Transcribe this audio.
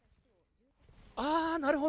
ああ、なるほど。